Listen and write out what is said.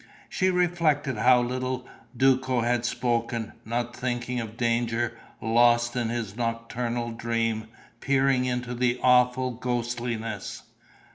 She reflected how little Duco had spoken, not thinking of danger, lost in his nocturnal dream, peering into the awful ghostliness.